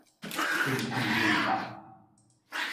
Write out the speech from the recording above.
費氣費觸